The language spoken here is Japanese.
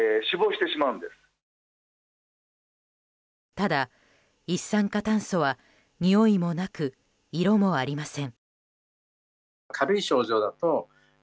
ただ、一酸化炭素はにおいもなく色もありません。